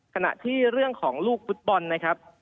ขณะที่เรื่องของลูกฟุตบอลนะครับ